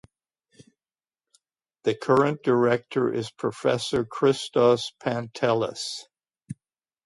The current director is Professor Christos Pantelis.